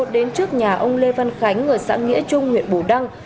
đến trước nhà ông lê văn khánh ở xã nghĩa trung huyện bù đăng